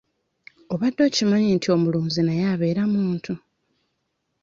Obadde okimanyi nti omulunzi naye abeera muntu?